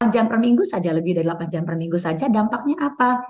delapan jam per minggu saja lebih dari delapan jam per minggu saja dampaknya apa